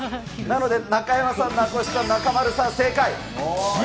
なので、中山さん、名越さん、中丸さん、正解。